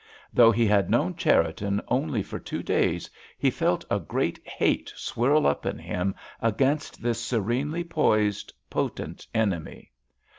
Though he had known Cherriton only for two days, he felt a great hate swirl up in him against this serenely poised, potent enemy.